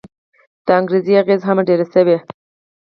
د انګرېزي اغېز هم ډېر شوی.